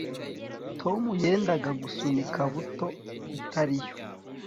Tom yenda gusunika buto itariyo